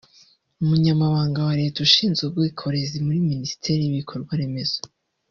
Umunyamabanga wa Leta ushyinzwe ubwikorezi muri Minisiteri y’Ibikorwa Remezo